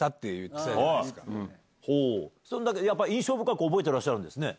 そんだけやっぱ印象深く覚えてらっしゃるんですね。